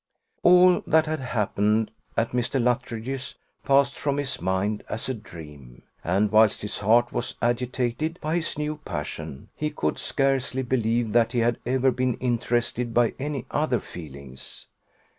All that had happened at Mr. Luttridge's passed from his mind as a dream; and whilst his heart was agitated by his new passion, he could scarcely believe that he had ever been interested by any other feelings.